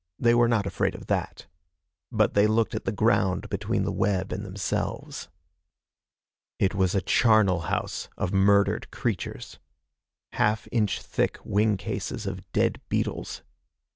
They were not afraid of that. But they looked at the ground between the web and themselves. It was a charnel house of murdered creatures. Half inch thick wing cases of dead beetles.